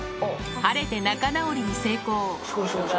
晴れて、仲直りに成功。